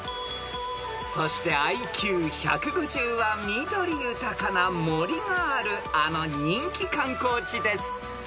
［そしてＩＱ１５０は緑豊かな森があるあの人気観光地です］